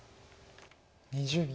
２０秒。